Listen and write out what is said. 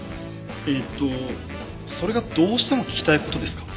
えっとそれがどうしても聞きたいことですか？